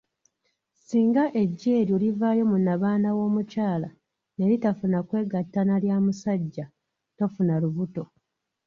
Singa eggi eryo livaayo mu nnabaana w'omukyala ne litafuna kwegatta nalya musajja, tofuna lubuto.